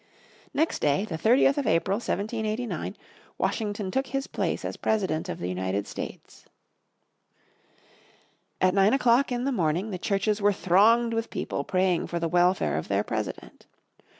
Next day, the 30th of April, 1789, Washington took his place as President of the United States. At nine o'clock in the morning the churches were thronged with people praying for the welfare of their President.